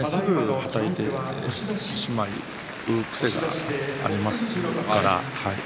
はたいて、引いてしまう癖がありますから。